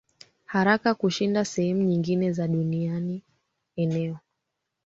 haraka kushinda sehemu nyingine za Dunia Eneo